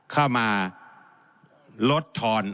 เข้ามาลดทอน